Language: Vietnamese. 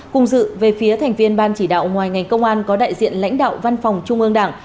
cùng dự về phía thành viên ban chỉ đạo ngoài ngành công an có đại diện lãnh đạo văn phòng trung ương đảng